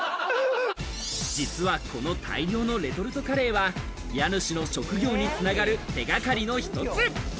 実はこの大量のレトルトカレーは家主の職業につながる手掛かりの１つ。